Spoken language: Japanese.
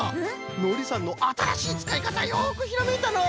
のりさんのあたらしいつかいかたよくひらめいたのう！